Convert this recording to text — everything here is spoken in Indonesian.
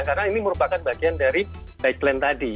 karena ini merupakan bagian dari bike lane tadi